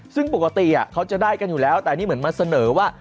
ซึ่งปกติเขาจะได้กันอยู่แล้วแต่นี่เหมือนมาเสนอว่า